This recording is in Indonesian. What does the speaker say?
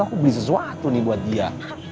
aku beli sesuatu nih buat dia